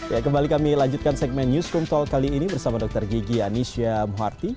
ya kembali kami lanjutkan segmen newsroom talk kali ini bersama dr gigi anisya muharti